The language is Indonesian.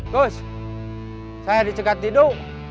coach saya dicegat tidur